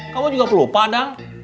kamu juga perlu padang